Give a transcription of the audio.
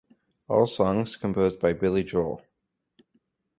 All songs composed by Billy Joel.